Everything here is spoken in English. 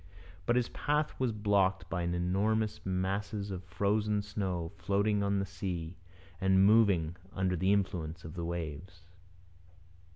But his path was blocked by 'enormous masses of frozen snow floating on the sea, and moving under the influence of the waves.'